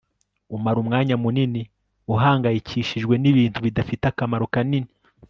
umara umwanya munini uhangayikishijwe nibintu bidafite akamaro kanini